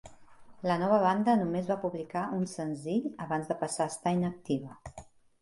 La nova banda només va publicar un senzill abans de passar a estar inactiva.